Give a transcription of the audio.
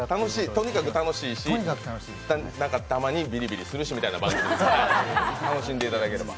とにかく楽しいしたまにビリビリするしみたいな番組楽しんでいただければ。